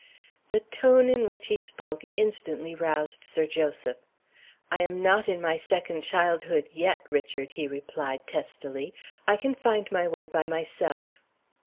The tone in which he spoke instantly roused Sir Joseph. "I am not in my second childhood yet, Richard," he replied, testily. "I can find my way by myself."